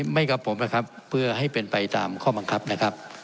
กับผมนะครับเพื่อให้เป็นไปตามข้อบังคับนะครับ